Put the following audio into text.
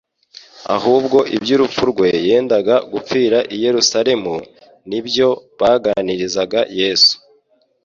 ahubwo iby'urupfu rwe yendaga gupfira i Yerusalemu, ni byo baganirizaga Yesu.